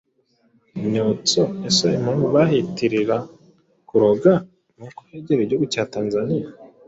Imyotso ese impamvu bahitirira kuroga ni uko hegereye igihugu cya Tanzaniya?